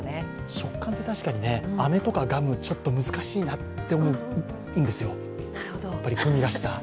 食感って確かにね、あめとかガム難しいなと思うんですよ、グミらしさ。